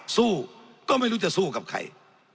สู้ก็ไม่รู้จะสู้กับใคร